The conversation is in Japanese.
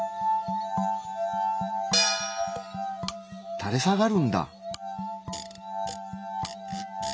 たれ下がるんだ！